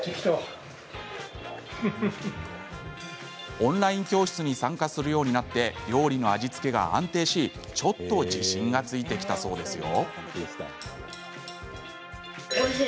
オンライン教室に参加するようになって料理の味付けが安定しちょっと自信がついてきたそうですよ。